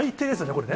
これね。